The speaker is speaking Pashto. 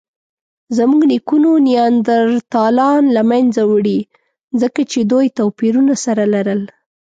زموږ نیکونو نیاندرتالان له منځه وړي؛ ځکه چې دوی توپیرونه سره لرل.